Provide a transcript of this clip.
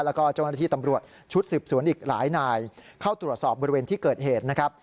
แล้วก็เจ้าหน้าที่ตำรวจชุดสืบสวนอีกหลายนายเข้าตรวจสอบบริเวณที่เกิดเหตุนะครับ